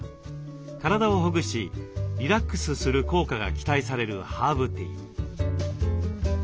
体をほぐしリラックスする効果が期待されるハーブティー。